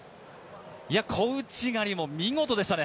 小内刈りも見事でしたね。